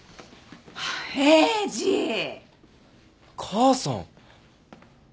母さん。